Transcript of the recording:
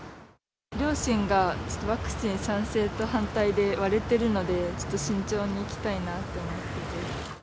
両親がちょっと、ワクチン賛成と反対で割れてるので、ちょっと慎重にいきたいなと思ってて。